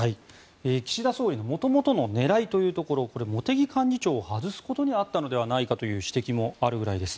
岸田総理の元々の狙いというところこれ、茂木幹事長を外すことにあったのではないかという指摘もあるぐらいです。